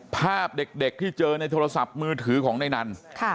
ภาพเด็กที่เจอในโทรศัพท์มือถือของในนั้น